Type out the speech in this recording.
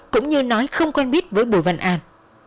cũng như nói không quen biết với bùi văn an